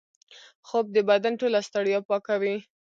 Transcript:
خوب د بدن ټوله ستړیا پاکوي